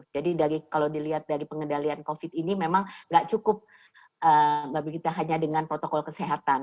jadi kalau dilihat dari pengendalian covid ini memang tidak cukup hanya dengan protokol kesehatan